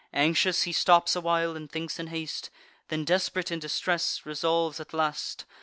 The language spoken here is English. Anxious, he stops a while, and thinks in haste; Then, desp'rate in distress, resolves at last.